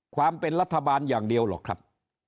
ความเป็นรัฐบาลอย่างเดียวหรอกครับ